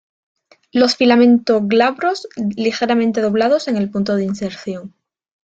Los filamentos glabros, ligeramente doblados en el punto de inserción.